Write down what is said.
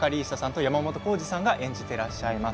山本耕史さんが演じていらっしゃいます。